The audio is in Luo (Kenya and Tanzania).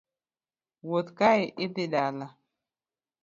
Wuoth kae idhi dala.